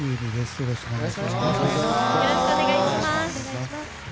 よろしくお願いします。